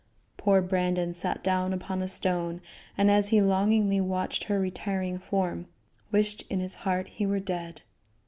Poor Brandon sat down upon a stone, and, as he longingly watched her retiring form, wished in his heart he were dead.